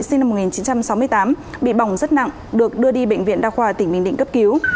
sinh năm một nghìn chín trăm sáu mươi tám bị bỏng rất nặng được đưa đi bệnh viện đa khoa tp hcm cấp cứu